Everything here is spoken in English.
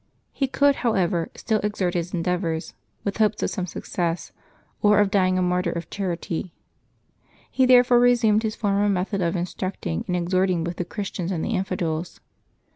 He could, however, still exert his endeavors, with hopes of some suc cess, or of dying a martyr of charity. He therefore re sumed his former method of instructing and exhorting Septembeb 1] LIVES OF THE 8AINTS 301 both the Christians and the infidels.